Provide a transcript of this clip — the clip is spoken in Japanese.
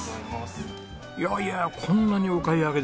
いやいやこんなにお買い上げですか？